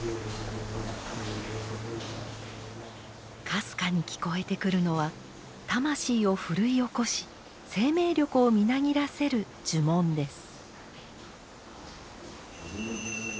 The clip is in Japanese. かすかに聞こえてくるのは魂を奮い起こし生命力をみなぎらせる呪文です。